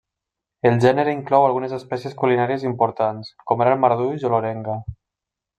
El gènere inclou algunes espècies culinàries importants com ara el marduix o l'orenga.